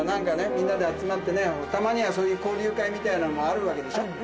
みんなで集まってねたまにはそういう交流会みたいなのもあるわけでしょ。